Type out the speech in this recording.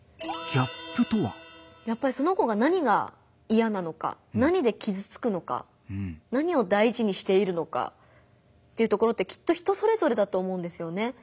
やっぱりその子が何が嫌なのか何できずつくのか何をだいじにしているのかっていうところってきっと人それぞれだと思うんですよね。